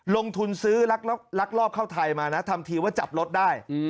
ลงทุนซื้อลักลอบเข้าไทยมานะทำทีว่าจับรถได้